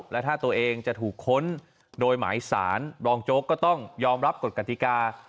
และถ้าตัวเองจะถูกค้นโดยหมายสารรองโจ๊กก็ต้องยอมรับกฎกติกา